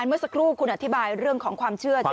เมื่อสักครู่คุณอธิบายเรื่องของความเชื่อใช่ไหม